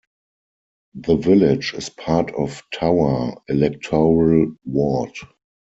The village is part of 'Tower' electoral ward.